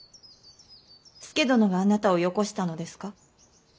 佐殿があなたをよこしたのですか。